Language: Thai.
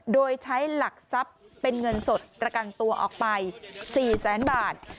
โดยใช้หลักทรัพย์เป็นเงินสดประกันตัวออกไป๔แสนบาท